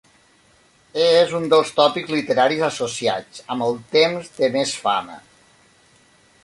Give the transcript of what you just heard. És un dels tòpics literaris associats amb el temps de més fama.